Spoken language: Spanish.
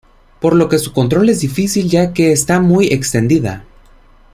Por lo que su control es difícil ya que está muy extendida.